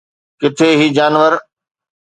ڪٿي هي جانور